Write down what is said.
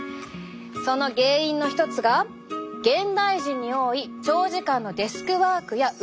その原因の一つが現代人に多い長時間のデスクワークや運動不足。